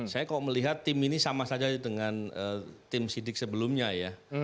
saya kok melihat tim ini sama saja dengan tim sidik sebelumnya ya